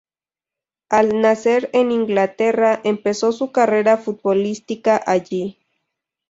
Al nacer en Inglaterra, empezó su carrera futbolística allí.